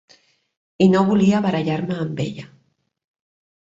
I no volia barallar-me amb ella.